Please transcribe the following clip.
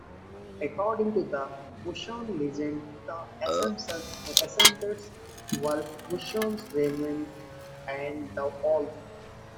According to Wusun legend, the ancestors were Wusun raven and the wolf.